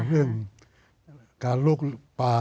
เรื่องการลุกป่า